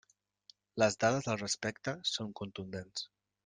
Les dades al respecte són contundents.